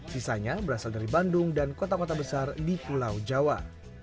sisanya berasal dari bandung dan kota kota besar di pulau jawa